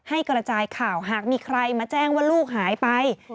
กระจายข่าวหากมีใครมาแจ้งว่าลูกหายไป